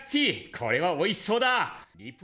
これはおいしそうだ。